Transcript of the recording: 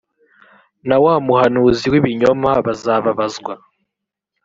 na wa muhanuzi w ibinyoma bazababazwa